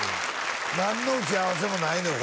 何の打ち合わせもないのよ